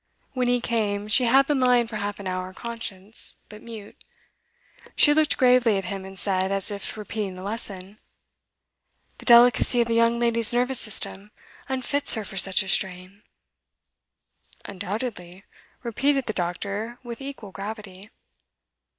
When he came, she had been lying for half an hour conscious, but mute. She looked gravely at him, and said, as if repeating a lesson: 'The delicacy of a young lady's nervous system unfits her for such a strain.' 'Undoubtedly,' repeated the doctor, with equal gravity.